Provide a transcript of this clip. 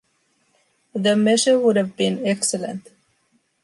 The measure would have been excellent.